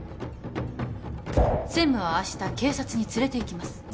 専務は明日警察に連れていきます